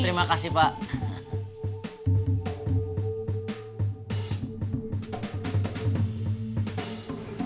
terima kasih pak